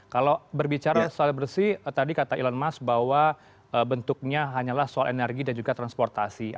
kalau berbicara soal bersih tadi kata ilon mas bahwa bentuknya hanyalah soal energi dan juga suatu hal lain